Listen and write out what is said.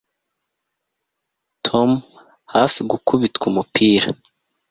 tom hafi gukubitwa umupira